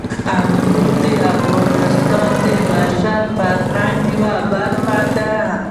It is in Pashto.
انګور د افغانستان د بشري فرهنګ یوه برخه ده.